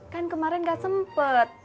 kan kemarin gak sempet